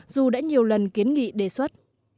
dù đã nhiều lần kiến nghị đề xuất